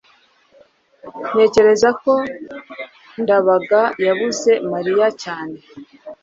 ntekereza ko ndabaga yabuze mariya cyane